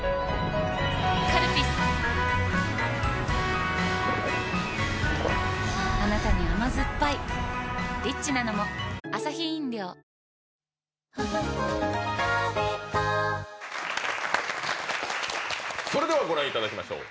カルピスはぁあなたに甘ずっぱいそれではご覧いただきましょう。